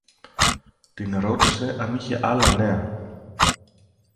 Την ρώτησε αν είχε άλλα νέα.